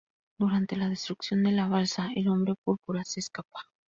Durante la destrucción de la Balsa, el Hombre Púrpura se escapa.